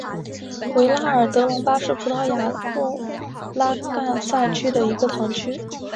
维拉尔德隆巴是葡萄牙布拉干萨区的一个堂区。